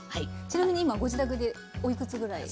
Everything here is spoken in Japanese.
ちなみに今ご自宅においくつぐらい？